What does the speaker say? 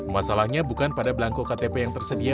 masalahnya bukan pada belangko ktp yang tersedia